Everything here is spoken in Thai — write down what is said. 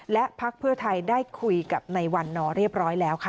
และพักเพื่อไทยได้คุยกับในวันนอเรียบร้อยแล้วค่ะ